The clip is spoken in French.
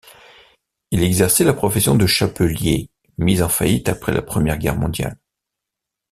Il exerçait la profession de chapelier, mis en faillite après la Première Guerre mondiale.